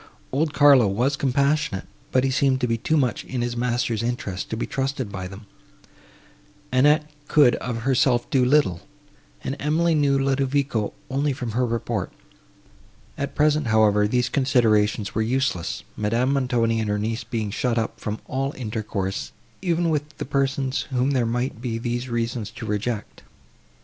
Old Carlo was compassionate, but he seemed to be too much in his master's interest to be trusted by them; Annette could of herself do little, and Emily knew Ludovico only from her report. At present, however, these considerations were useless, Madame Montoni and her niece being shut up from all intercourse, even with the persons, whom there might be these reasons to reject.